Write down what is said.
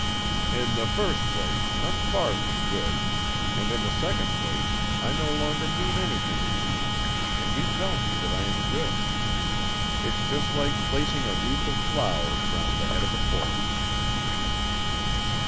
"In the first place, I'm far from good; and in the second place I no longer mean anything to you, and you tell me that I am good ... It's just like placing a wreath of flowers round the head of a corpse."